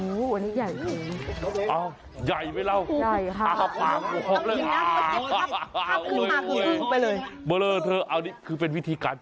อันนี้ใหญ่แหมือนกับแบบข้าง